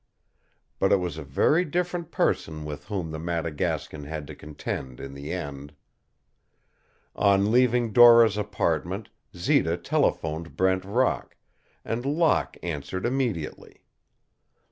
But it was a very different person with whom the Madagascan had to contend in the end. On leaving Dora's apartment, Zita telephoned Brent Rock, and Locke answered immediately.